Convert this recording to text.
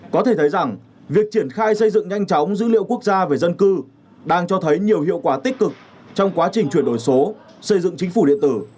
có thể thấy rằng việc triển khai xây dựng nhanh chóng dữ liệu quốc gia về dân cư đang cho thấy nhiều hiệu quả tích cực trong quá trình chuyển đổi số xây dựng chính phủ điện tử